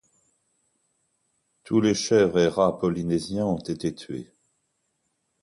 Tous les chèvres et rats polynésiens ont été tués.